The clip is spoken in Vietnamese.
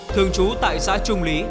thường trú tại xã trung lý